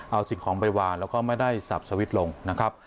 เอาสิ่งของไปวางแล้วก็ไม่ได้สับสวิตช์ลงนะครับ